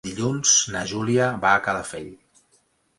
Dilluns na Júlia va a Calafell.